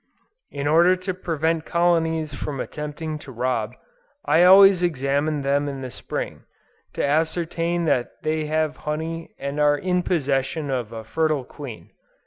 In order to prevent colonies from attempting to rob, I always examine them in the Spring, to ascertain that they have honey and are in possession of a fertile queen.